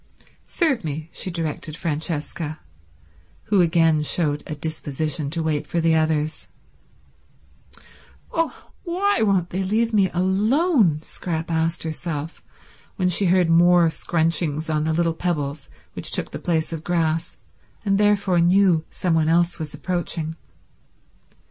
"Serve me," she directed Francesca, who again showed a disposition to wait for the others. "Oh, why won't they leave me alone?—oh, why won't they leave me alone?" Scrap asked herself when she heard more scrunchings on the little pebbles which took the place of grass, and therefore knew some one else was approaching.